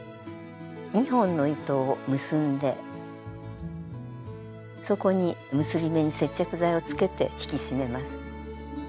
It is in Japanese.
２本の糸を結んでそこに結び目に接着剤をつけて引き締めます。